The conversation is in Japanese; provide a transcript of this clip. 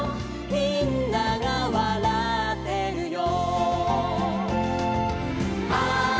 「みんながうたってるよ」